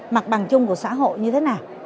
mặt bằng chung của xã hội như thế nào